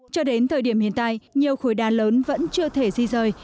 cho đến thời điểm hiện tại nhiều khối đá lớn vẫn chưa thể di rời